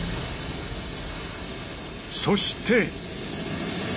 そして。